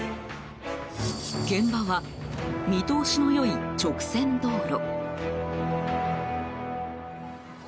現場は、見通しの良い直線道路。